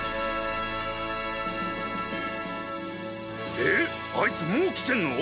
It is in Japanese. えっあいつもう来てんの？